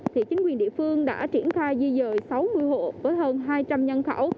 thì chính quyền địa phương đã triển khai di dời sáu mươi hộ với hơn hai trăm linh nhân khẩu